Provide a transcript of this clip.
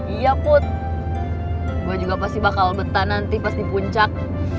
iya put gue juga pasti bakal betah nanti pas di puncak